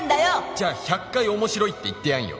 「じゃあ１００回面白いって言ってやんよ！！」